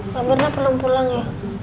bapak pernah pulang ya